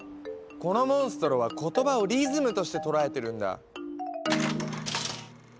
このモンストロは言葉をリズムとして捉えてるんだ！